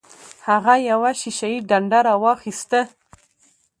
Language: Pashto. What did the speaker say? هغه یوه شیشه یي ډنډه راواخیسته.